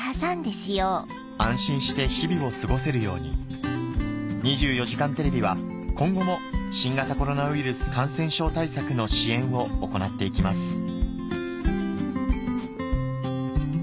安心して日々を過ごせるように『２４時間テレビ』は今後も新型コロナウイルス感染症対策の支援を行っていきます